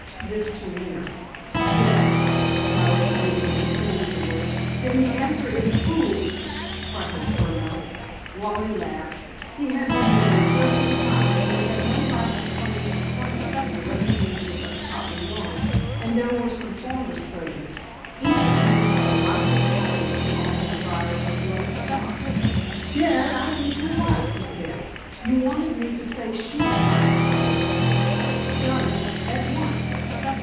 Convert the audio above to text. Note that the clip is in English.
This to Winter. "Yes," glowered the big man, fearing the worst. "Then the answer is 'fools,'" cackled Furneaux. Wally laughed. He had remembered, just in time, that he had no right to claim acquaintance with the representative of Scotland Yard, and there were some farmers present, each of whom had a "likely animal" to offer the buyer of blood stock. "Gad, I think you're right," he said. "You wanted me to say 'sheep,' I suppose?" "Got it, at once."